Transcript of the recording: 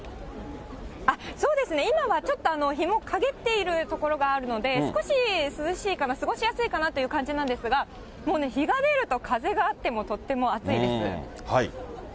そうですね、今はちょっと日もかげっている所もあるので、少し涼しいかな、過ごしやすいかなという感じなんですが、もうね、日が出ると風があってもとっても暑いです。